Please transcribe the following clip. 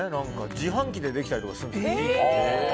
自販機でできたりとかするので。